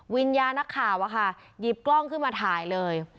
วิญญาณนักข่าวอะค่ะหยิบกล้องขึ้นมาถ่ายเลย